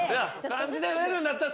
感じで増えるんだったら。